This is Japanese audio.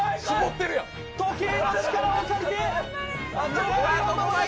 時計の力を借りて。